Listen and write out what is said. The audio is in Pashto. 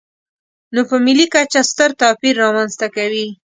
نو په ملي کچه ستر توپیر رامنځته کوي.